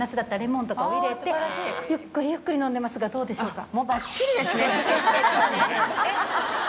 ゆっくりゆっくり飲んでますがどうでしょうか？